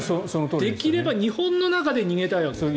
できれば日本の中で逃げたいわけです。